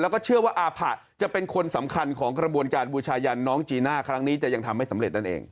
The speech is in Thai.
แล้วก็เชื่อว่าอาผะจะเป็นคนสำคัญของกระบวนการบูชายันน้องจีน่าครั้งนี้จะยังทำไม่สำเร็จนั่นเอง